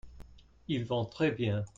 Ils vont très bien.